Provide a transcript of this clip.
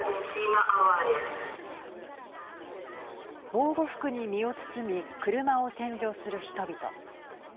防護服に身を包み車を洗浄する人々。